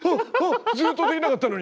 ずっとできなかったのに。